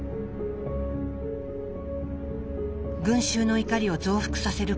群衆の怒りを増幅させる